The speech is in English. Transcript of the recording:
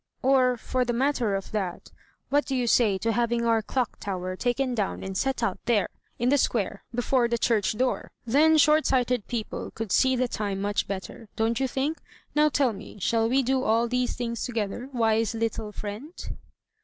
Or, for the matter of that, what do you say to having our clock tower taken down and set out there in the square before the church door? 257 MY BOOK HOUSE Then short sighted people could see the time much better, don't you think? Now tell me, shall we do all these things together, wise little friend?"